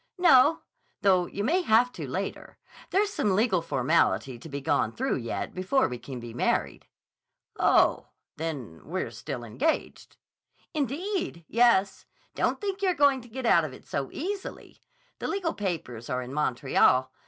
"No. Though you may have to, later. There's some legal formality to be gone through yet before we can be married." "Oh, then we're still engaged." "Indeed, yes! Don't think you're going to get out of it so easily. The legal papers are in Montreal.